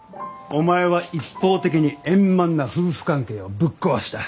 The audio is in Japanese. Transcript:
お前は一方的に円満な夫婦関係をぶっ壊した。